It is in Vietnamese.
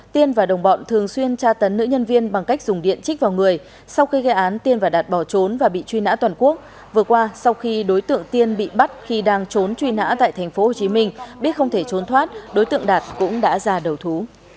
tiên và đồng bọn thường xuyên tra tấn nữ nhân viên bằng cách dùng điện trích vào người sau khi gây án tiên và đạt bỏ trốn và bị truy nã toàn quốc vừa qua sau khi đối tượng tiên bị bắt khi đang trốn truy nã tại tp hcm biết không thể trốn thoát đối tượng đạt cũng đã ra đầu thú